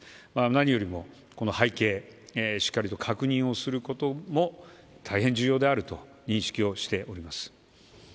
何よりもこの背景しっかりと確認することも大変重要であると認識をしております。